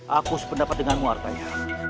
aku sependapat denganmu arthanya